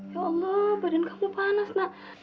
ya allah badan kamu panas nak